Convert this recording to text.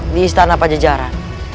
di istana pajajaran